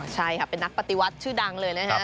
ใช่ค่ะเป็นนักปฏิวัติชื่อดังเลยนะฮะ